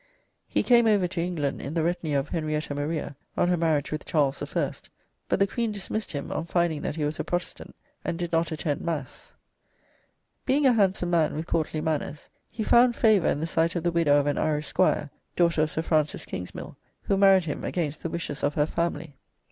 He came over to England in the retinue of Henrietta Maria on her marriage with Charles I, but the queen dismissed him on finding that he was a Protestant and did not attend mass. Being a handsome man, with courtly manners, he found favour in the sight of the widow of an Irish squire (daughter of Sir Francis Kingsmill), who married him against the wishes of her family.